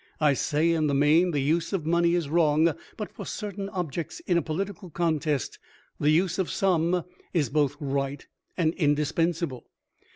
I say in the main the use of money is wrong; but for certain objects in a political contest the use of some is both right and indispensable.